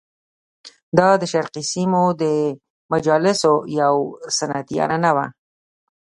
دا د شرقي سیمو د مجالسو یوه سنتي عنعنه وه.